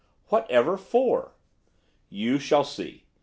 'Whatever for?' 'You shall see.